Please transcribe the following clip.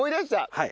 はい。